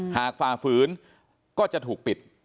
หากฝากฝืนก็จะถูกปิด